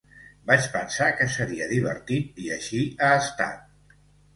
Vaig pensar que seria divertit, i així ha estat.